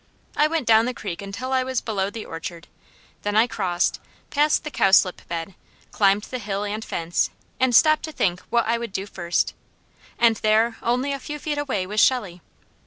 I went down the creek until I was below the orchard, then I crossed, passed the cowslip bed, climbed the hill and fence, and stopped to think what I would do first; and there only a few feet away was Shelley.